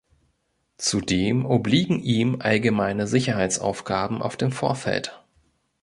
Zudem obliegen ihm allgemeine Sicherheitsaufgaben auf dem Vorfeld.